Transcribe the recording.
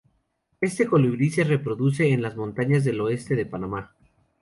Este colibrí se reproduce en las montañas del oeste de Panamá.